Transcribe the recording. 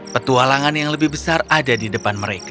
petualangan yang lebih besar ada di depan mereka